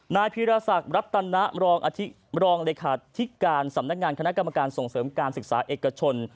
นายพีรศักดิ์รัตนรองเลขาธิการสำนักงานคณะกรรมการส่งเสริมการศึกษาเอกชน